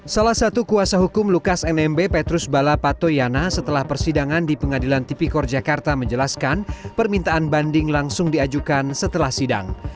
salah satu kuasa hukum lukas nmb petrus bala patoyana setelah persidangan di pengadilan tipikor jakarta menjelaskan permintaan banding langsung diajukan setelah sidang